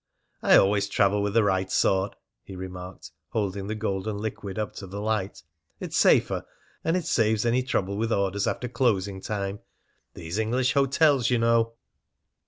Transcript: "I always travel with the right sort," he remarked, holding the golden liquid up to the light. "It's safer, and it saves any trouble with orders after closing time. These English hotels, you know